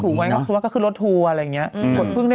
นั้นมันถูกสมมันก็ขึ้นรถทัวร์อะไรอย่างนี้